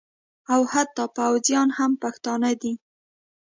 او حتی پوځیان هم پښتانه دي